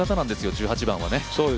１８番はね。